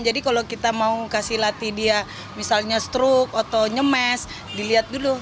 jadi kalau kita mau kasih latih dia misalnya stroke atau nyemes dilihat dulu